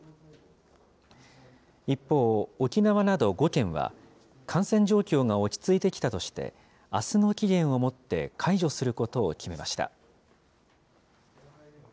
一方、沖縄など５県は、感染状況が落ち着いてきたとして、あすの期限をもって解除することを決めました。